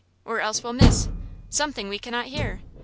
or else we'll miss something we cannot hear.